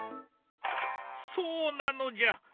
そうなのじゃ！